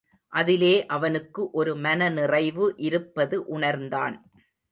அதிலே அவனுக்கு ஒரு மனநிறைவு இருப்பது உணர்ந்தான்.